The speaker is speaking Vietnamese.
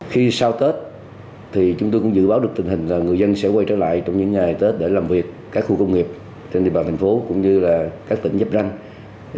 khi sau tết thì chúng tôi cũng dự báo được tình hình là người dân sẽ quay trở lại trong những ngày tết để làm việc các khu công nghiệp trên địa bàn thành phố cũng như là các tỉnh giáp ranh